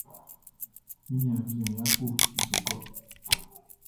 Mi niaan bian Yako n su kɔ.